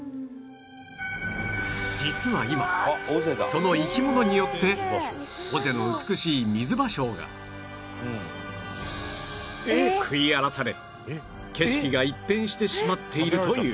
実は今その生き物によって尾瀬の美しいミズバショウが食い荒らされ景色が一変してしまっているという